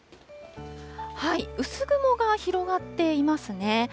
薄雲が広がっていますね。